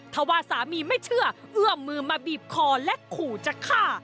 ถ้าว่าสามีไม่เชื่อเอื้อมมือมาบีบคอและขู่จะฆ่า